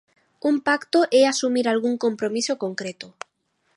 Un pacto é asumir algún compromiso concreto.